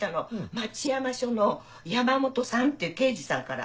町山署の山本さんっていう刑事さんから。